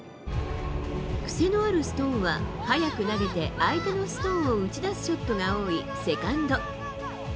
癖のあるストーンは速く投げて相手のストーンを打ち出すショットが多いセカンド。